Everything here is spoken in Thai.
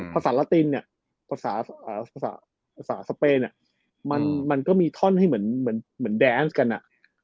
ภาษาลาตินเนี่ยภาษาสเปนมันก็มีท่อนให้เหมือนแดนส์กันอะ